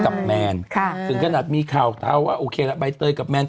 ใบเตยกับแมน